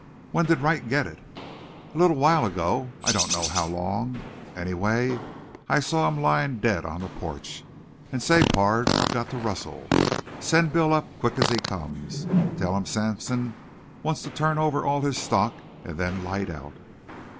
"When did Wright get it?" "A little while ago. I don't know how long. Anyway, I saw him lyin' dead on the porch. An' say, pard, I've got to rustle. Send Bill up quick as he comes. Tell him Sampson wants to turn over all his stock an' then light out."